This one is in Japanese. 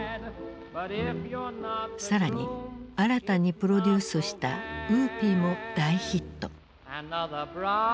更に新たにプロデュースした「ウーピー」も大ヒット。